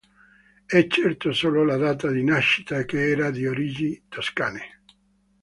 È certo solo la data di nascita e che era di origini toscane.